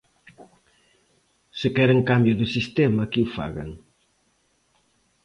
Se queren cambio de sistema, que o fagan.